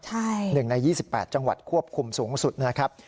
ใช่หนึ่งใน๒๘จังหวัดควบคุมสูงสุดนะครับ